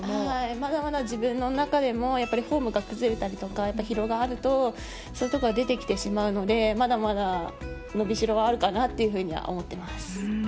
まだまだ自分の中でもフォームが崩れたりとか疲労があるとそういうところが出てくるのでまだまだ伸びしろはあるかなと思ってます。